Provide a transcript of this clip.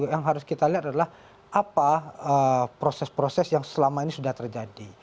yang harus kita lihat adalah apa proses proses yang selama ini sudah terjadi